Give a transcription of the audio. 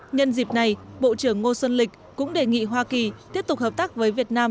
nhân dịp này bộ trưởng ngô xuân lịch cũng đề nghị hoa kỳ tiếp tục hợp tác với việt nam